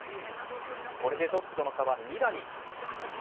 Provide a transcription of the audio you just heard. これでトップとの差は２打に。